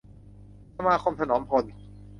สมาคมถนอมพล